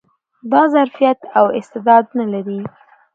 دا ظرفيت او استعداد نه لري